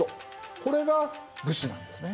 これが武士なんですね。